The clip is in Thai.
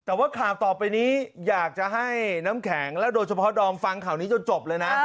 แต่ว่าข่าวต่อไปนี้อยากจะให้น้ำแข็งและโดยเฉพาะดอมฟังข่าวนี้จนจบเลยนะ